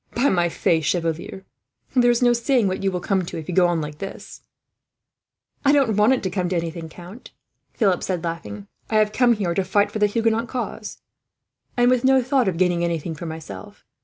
By my faith, chevalier, there is no saying what you will come to, if you go on thus." "I don't want to come to anything, count," Philip said, laughing. "I came over here to fight for the Huguenot cause, and with no thought of gaining anything for myself.